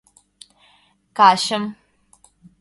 Качым